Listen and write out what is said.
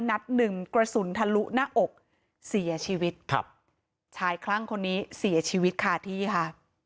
นัดหนึ่งกระสุนทะลุหน้าอกเสียชีวิตครับชายคลั่งคนนี้เสียชีวิตคาที่ค่ะ